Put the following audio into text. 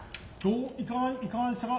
いかがでしたか？